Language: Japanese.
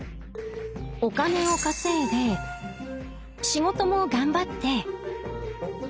お金を稼いで仕事も頑張って。